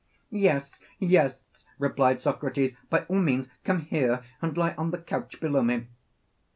Yes, yes, replied Socrates, by all means come here and lie on the couch below me.